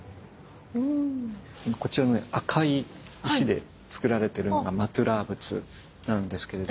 こちらのね赤い石でつくられてるのがマトゥラー仏なんですけれども。